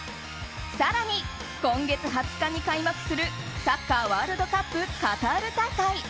更に、今月２０日に開幕するサッカーワールドカップカタール大会。